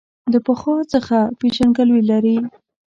له پخوا څخه پېژندګلوي لري.